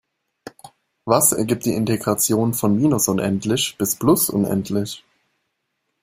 Was ergibt die Integration von minus unendlich bis plus unendlich?